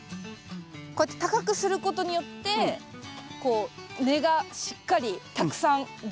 こうやって高くすることによってこう根がしっかりたくさんできるということですか。